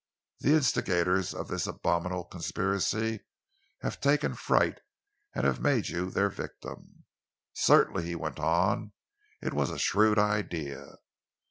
The instigators of this abominable conspiracy have taken fright and have made you their victim. Certainly," he went on, "it was a shrewd idea.